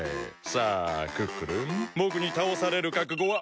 さあクックルンぼくにたおされるかくごは。